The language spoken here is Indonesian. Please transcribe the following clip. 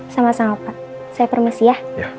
sama sama pak saya permisi ya